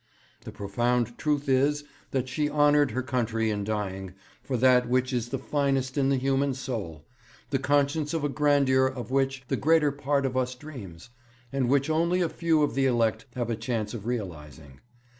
'The profound truth is that she honoured her country in dying for that which is the finest in the human soul the conscience of a grandeur of which the greater part of us dreams, and which only a few of the elect have a chance of realizing.